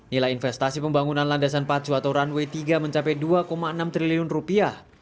nilai investasi pembangunan landasan pacu atau runway tiga mencapai dua enam triliun rupiah